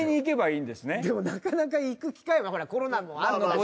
でもなかなか行く機会がほらコロナもあったし。